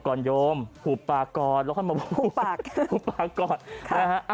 หมบก่อนโยมหุบปากก่อนและมาพูดหุบปากค่ะ